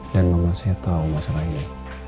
dan mama saya tau masalah ini